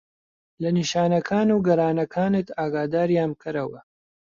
لە نیشانەکان و گەرانەکانت ئاگاداریان بکەرەوە.